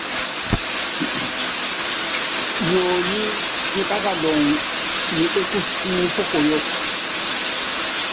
Nyonyí nyí pákaluŋo nyi ékúúsí kú pásalálɛ́.